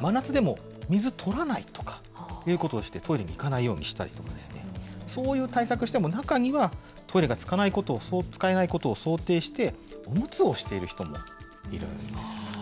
真夏でも水とらないとかということをして、トイレに行かないようにしたり、そういう対策しても、中にはトイレが使えないことを想定して、おむつをしている人もいるんです。